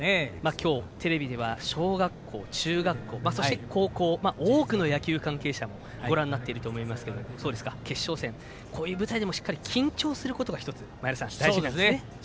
今日、テレビでは小学校、中学校、高校多くの野球関係者ご覧になってると思いますが決勝戦、こういう舞台でもしっかり緊張することが１つ前田さん、大事なんですね。